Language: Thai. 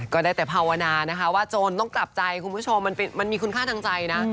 ก็ได้แต่ภาวนานะคะว่าโจรต้องกลับใจคุณผู้ชมมันมีคุณค่าทางใจนะ